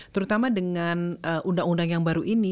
terutama dengan undang undang yang baru ini